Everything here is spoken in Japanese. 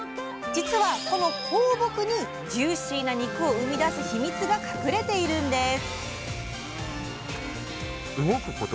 実はこの放牧にジューシーな肉を生み出すヒミツが隠れているんです！